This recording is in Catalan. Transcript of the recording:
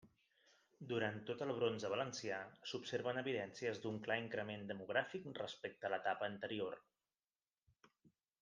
Durant tot el bronze valencià s'observen evidències d'un clar increment demogràfic respecte a l'etapa anterior.